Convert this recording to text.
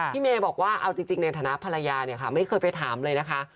พี่เมบอกว่าเอาจริงในฐานะภรรยาไม่เคยไปถามเลยนะคะ